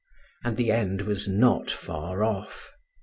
And the end was not far off.